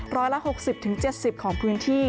ร้อยละ๖๐๗๐ของพื้นที่